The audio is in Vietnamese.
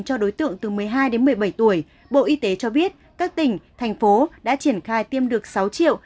cho đối tượng từ một mươi hai đến một mươi bảy tuổi bộ y tế cho biết các tỉnh thành phố đã triển khai tiêm được sáu tám trăm tám mươi tám năm trăm chín mươi hai liều